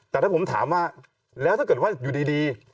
แต่ถ้าผมถามว่าแล้วถ้าเกิดว่าอยู่ดี